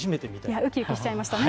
うきうきしちゃいましたね。